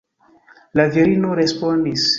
La virino respondis: